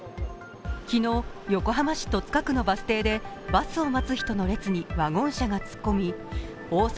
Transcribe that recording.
昨日、横浜市戸塚区のバス停でバスを待つ人の列にワゴン車が突っ込み大沢